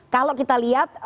kalau kita lihat